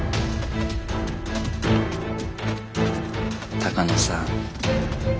鷹野さん。